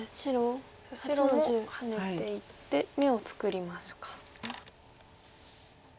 さあ白もハネていって眼を作りますか。